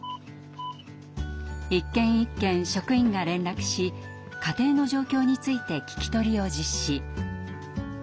一軒一軒職員が連絡し家庭の状況について聞き取りを実施。